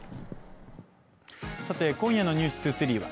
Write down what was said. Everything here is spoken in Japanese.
さて今夜の「ｎｅｗｓ２３」は